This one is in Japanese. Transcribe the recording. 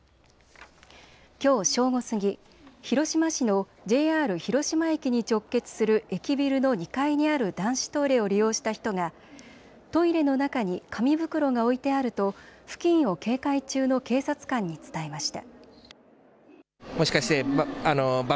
きょう正午過ぎ、広島市のＪＲ広島駅に直結する駅ビルの２階にある男子トイレを利用した人がトイレの中に紙袋が置いてあると付近を警戒中の警察官に伝えました。